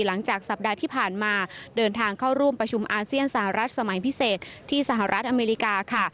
หลังจากสัปดาห์ที่ผ่านมาเดินทางเข้าร่วมประชุมอาเซียนสหรัฐสมัยพิเศษที่สหรัฐอเมริกาค่ะ